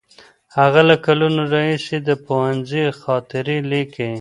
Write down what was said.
هغه له کلونو راهیسې د پوهنځي خاطرې لیکي.